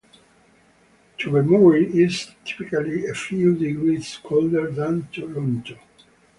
Tobermory is typically a few degrees colder than Toronto.